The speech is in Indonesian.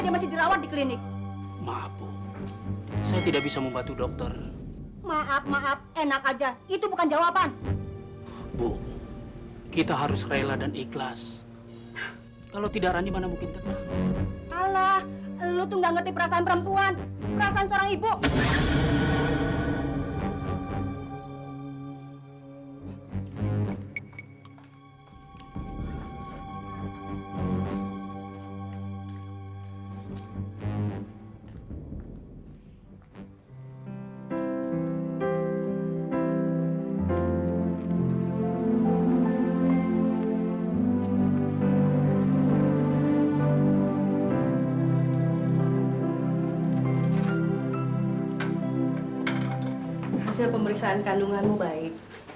hasil pemeriksaan kandunganmu baik